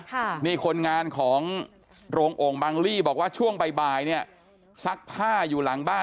ค่ะนี่คนงานของโรงโอ่งบังลี่บอกว่าช่วงบ่ายบ่ายเนี่ยซักผ้าอยู่หลังบ้าน